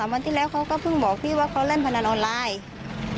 วันที่แล้วเขาก็เพิ่งบอกพี่ว่าเขาเล่นพนันออนไลน์